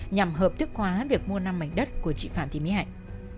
nhằm hợp thức hóa việc mua năm mảnh đất của chị phạm thị mỹ hạnh